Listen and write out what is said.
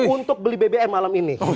untuk beli bbm malam ini